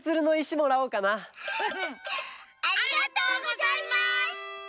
ありがとうございます！